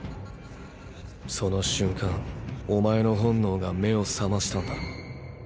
その瞬間お前の本能が目を覚ましたんだろう。